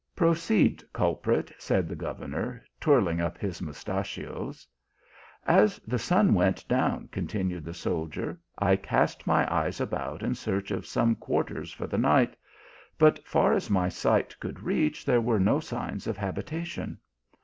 " Proceed, culprit," said the governor, twirling up his mustachios. "As the sun went down," continued the soldier, " I cast my eyes about in search of some quarters for the night, but far as my sight could reach, there was no signs of habitation.